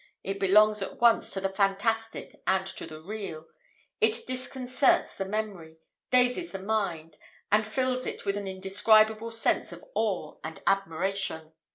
It belongs at once to the fantastic and to the real: it disconcerts the memory, dazes the mind, and fills it with an indescribable sense of awe and admiration.